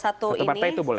satu partai itu boleh